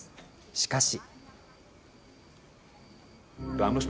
しかし。